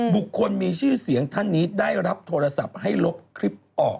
บุคคลมีชื่อเสียงท่านนี้ได้รับโทรศัพท์ให้ลบคลิปออก